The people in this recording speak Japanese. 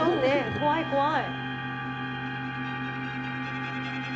怖い怖い。